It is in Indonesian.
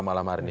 malam hari ini